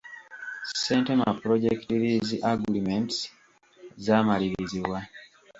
Ssentema Project Lease Agreements zaamalirizibwa.